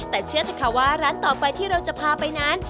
แต่เชื่อเถอะค่ะว่าร้านต่อไปที่เราจะพาไปนั้น